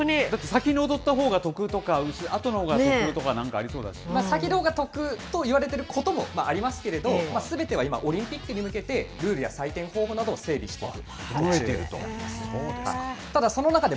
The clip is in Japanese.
だって先に踊ったほうが得とか、後のほうが得とかありそうだ先のほうが得といわれていることもありますけれども、すべては今、オリンピックに向けてルールや採点方法などを整備していると。